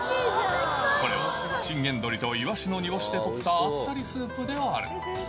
これを信玄どりといわしの煮干しでとったあっさりスープである。